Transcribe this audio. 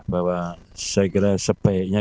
bahwa saya kira sebaiknya